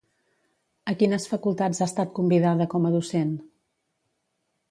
A quines facultats ha estat convidada com a docent?